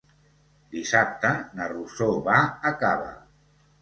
Dissabte na Rosó va a Cava.